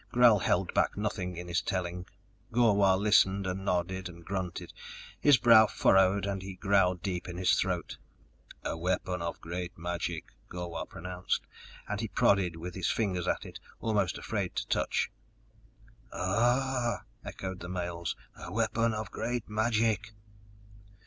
Gral held back nothing in his telling. Gor wah listened and nodded and grunted, his brow furrowed and he growled deep in his throat. "A weapon of great magic," Gor wah pronounced, and he prodded with his fingers at it, almost afraid to touch. "Arh h h!" echoed the males. "A weapon of great magic!"